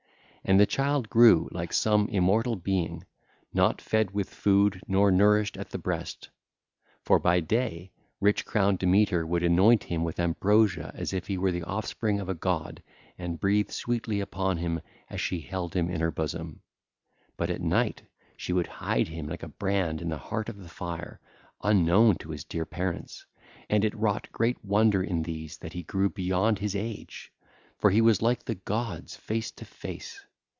And the child grew like some immortal being, not fed with food nor nourished at the breast: for by day rich crowned Demeter would anoint him with ambrosia as if he were the offspring of a god and breathe sweetly upon him as she held him in her bosom. But at night she would hide him like a brand in the heart of the fire, unknown to his dear parents. And it wrought great wonder in these that he grew beyond his age; for he was like the gods face to face.